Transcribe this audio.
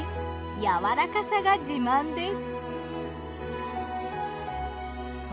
やわらかさが自慢です。